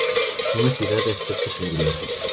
Una ciudad de aspecto singular.